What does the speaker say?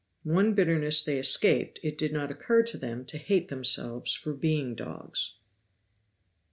One bitterness they escaped, it did not occur to them to hate themselves for being dogs.